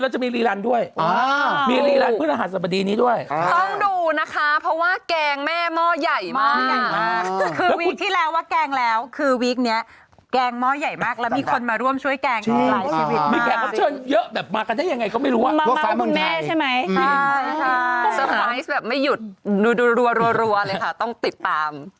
ใช่สไพรส์แบบไม่หยุดรัวเลยค่ะต้องติดตาม